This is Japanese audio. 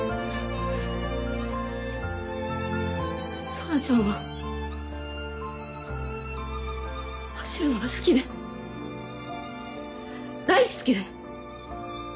空ちゃんは走るのが好きで大好きで。